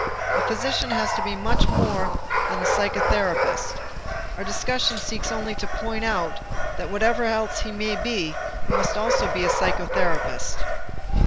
The physician has to be much more than a psychotherapist. Our discussion only seeks to point out that whatever else he may be, he must be also a psychotherapist.